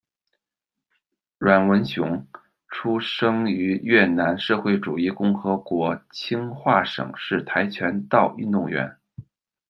阮文雄出生于越南社会主义共和国清化省，是跆拳道运动员。